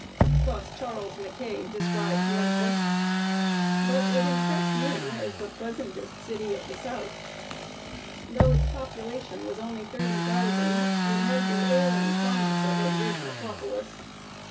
] Thus Charles Mackay describes Memphis; but it impressed me as the pleasantest city of the South. Though its population was only thirty thousand, it had the air and promise of a great metropolis.